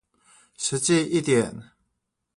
實際一點